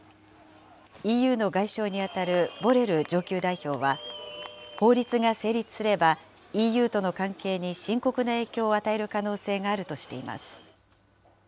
ＥＵの外相に当たるボレル上級代表は、法律が成立すれば、ＥＵとの関係に深刻な影響を与える可能性があるとしています。